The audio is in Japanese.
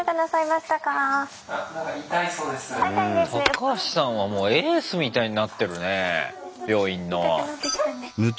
タカハシさんはもうエースみたいになってるね病院の。